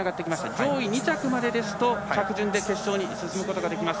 上位２着までですと着順で決勝にいくことができます。